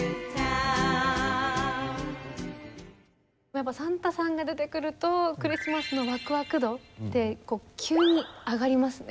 やっぱサンタさんが出てくるとクリスマスのワクワク度ってこう急に上がりますね。